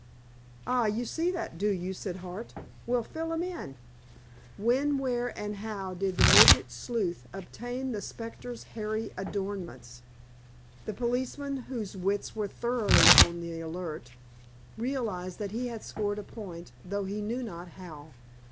"Ah, you see that, do you?" said Hart. "Well, fill 'em in. When, where, and how did the midget sleuth obtain the specter's hairy adornments?" The policeman, whose wits were thoroughly on the alert, realized that he had scored a point, though he knew not how.